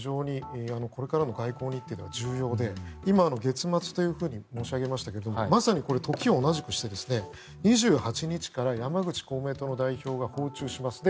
これから非常に外交日程が重要で今、月末と申し上げましたがまさに時を同じくして２８日から公明党の山口代表が訪中します。